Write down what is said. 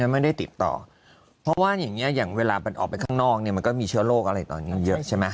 ไม่ได้ติดต่อเพราะว่าอย่างนี้อย่างเวลามันออกไปข้างนอกเนี่ยมันก็มีเชื้อโรคอะไรตอนนี้เยอะใช่ไหม